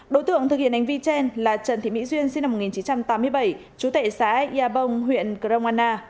đối tượng thực hiện ánh vi trên là trần thị mỹ duyên sinh năm một nghìn chín trăm tám mươi bảy chú tệ xã yà bông huyện cronwana